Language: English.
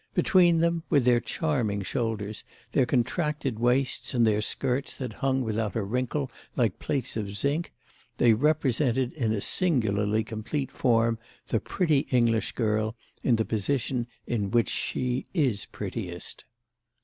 Between them, with their charming shoulders, their contracted waists and their skirts that hung without a wrinkle, like plates of zinc, they represented in a singularly complete form the pretty English girl in the position in which she is prettiest.